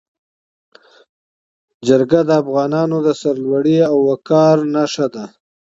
جرګه د افغانانو د سرلوړۍ او وقار نښه ده.